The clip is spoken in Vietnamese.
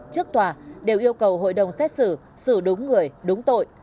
trước tòa đều yêu cầu hội đồng xét xử xử đúng người đúng tội